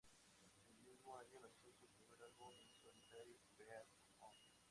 En el mismo año, lanzó su primer álbum en solitario, "Part One".